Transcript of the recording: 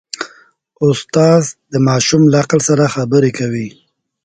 استاد د ماشوم له عقل سره خبرې کوي.